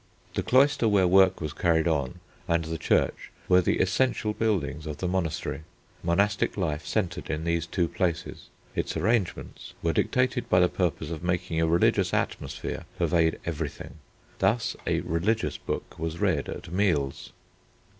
The cloister where work was carried on and the church were the essential buildings of the monastery. Monastic life centred in these two places. Its arrangements were dictated by the purpose of making a religious atmosphere pervade everything; thus a religious book was read at meals.